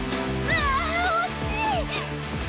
あっ！